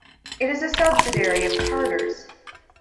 It is a subsidiary of Carter's.